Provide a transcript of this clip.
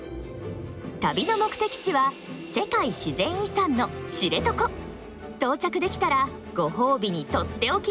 旅の目的地は到着できたらご褒美にとっておきの自然体験。